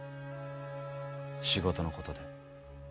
仕事のことで。